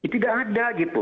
tidak ada gitu